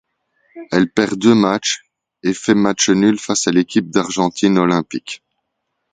Elle perd deux matchs et fait match nul face à l'équipe d'Argentine olympique.